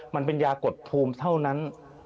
มันเป็นยากดภูมิเท่านั้น